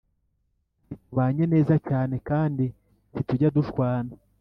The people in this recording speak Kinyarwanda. Ati tubanye neza cyane kandi ntitujya dushwana